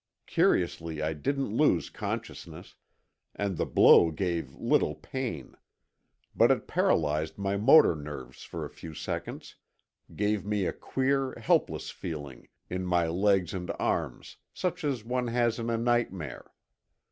Curiously, I didn't lose consciousness; and the blow gave little pain. But it paralyzed my motor nerves for a few seconds, gave me a queer, helpless feeling in my legs and arms, such as one has in a nightmare.